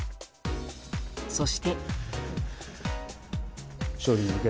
そして。